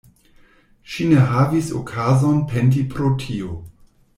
Ŝi ne havis okazon penti pro tio.